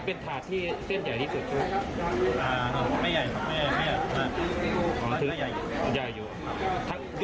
ยกไปทั้งถาดเลยหรอแล้วใส่กระเป๋าแล้วใส่อะไรไป